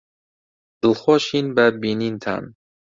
دڵخۆشین بە بینینتان.